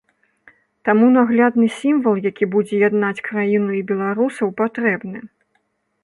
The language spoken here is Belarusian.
Таму наглядны сімвал, які будзе яднаць краіну і беларусаў патрэбны.